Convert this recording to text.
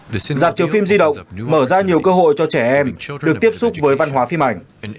việc giạt chiếu phim di động mở ra nhiều cơ hội cho trẻ em được tiếp xúc với văn hóa phim ảnh